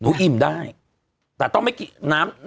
หนูอิ่มได้หนูอิ่มได้